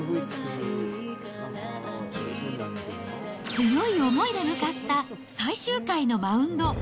強い思いで向かった最終回のマウンド。